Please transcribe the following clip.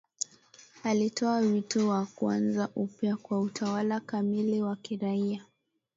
akitoa wito wa kuanza upya kwa utawala kamili wa kiraia